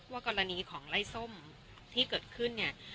กรณีของไล่ส้มที่เกิดขึ้นเนี่ย